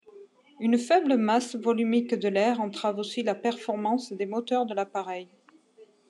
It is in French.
Une faible masse volumique de l'air entrave aussi la performance des moteurs de l'appareil.